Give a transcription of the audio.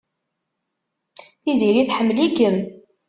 Tiziri tḥemmel-ikem.